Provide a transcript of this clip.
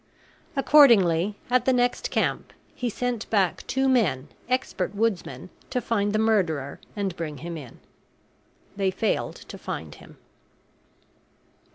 Accordingly, at the next camp he sent back two men, expert woodsmen, to find the murderer and bring him in. They failed to find him.